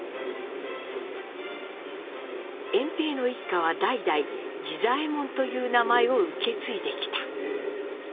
「円平の一家は代々次左衛門という名前を受け継いできた」。